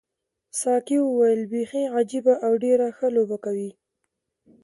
ساقي وویل بیخي عجیبه او ډېره ښه لوبه کوي.